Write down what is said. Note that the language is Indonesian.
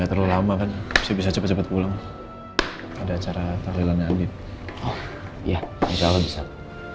eh mbak mbak mbak mbak